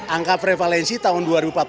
angka prevalensi tahun dua ribu empat belas